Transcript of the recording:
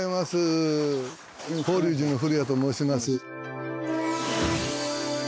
法隆寺の古谷と申します。